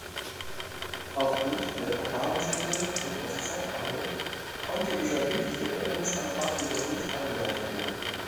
Aufgrund der Verfahrensregeln und aus Zeitmangel konnte dieser mündliche Änderungsantrag jedoch nicht eingereicht werden.